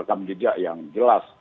rekam jejak yang jelas